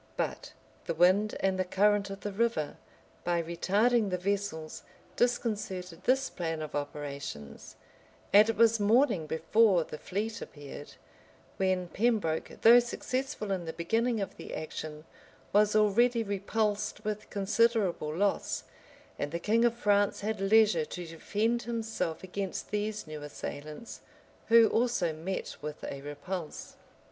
But the wind and the current of the river, by retarding the vessels, disconcerted this plan of operations; and it was morning before the fleet appeared; when Pembroke, though successful in the beginning of the action, was already repulsed with considerable loss, and the king of France had leisure to defend himself against these new assailants, who also met with a repulse.